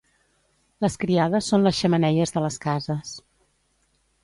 Les criades són les xemeneies de les cases.